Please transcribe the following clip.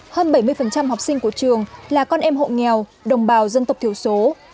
hơn bảy mươi học sinh của trường là con em hộ nghèo đồng bào dân tộc thiểu số